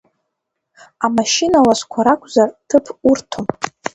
Амашьына ласқәа ракәзар ҭыԥ урҭом.